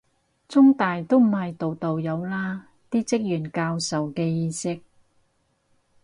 中大都唔係度度有啦，啲職員教授嘅意識